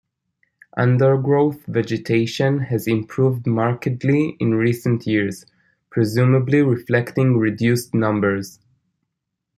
Undergrowth vegetation has improved markedly in recent years, presumably reflecting reduced numbers.